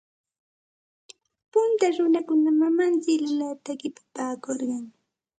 Punta runakuna manam silularta riqipaakurqatsu.